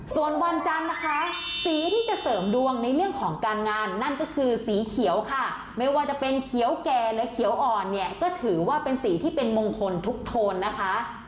ส่วนวันจันทร์นะคะสีที่จะเสริมดวงในเรื่องของการงานนั่นก็คือสีเขียวค่ะไม่ว่าจะเป็นเขียวแก่หรือเขียวอ่อนเนี่ยก็ถือว่าเป็นสีที่เป็นมงคลทุกโทนนะคะ